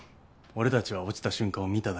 俺たちは落ちた瞬間を見ただけだ。